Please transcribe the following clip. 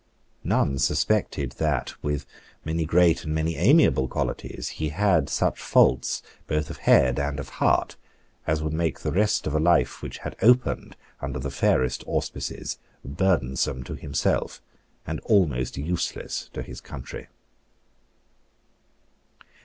None suspected that, with many great and many amiable qualities, he had such faults both of head and of heart as would make the rest of a life which had opened under the fairest auspices burdensome to himself and almost useless to his country.